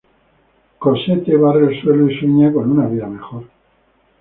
Cosette barre el suelo y sueña con una vida mejor.